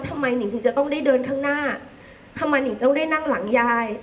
ทำไมหนึ่งจะต้องได้เดินข้างหน้าทำไมหนึ่งจะต้องได้นั่งหลังยาย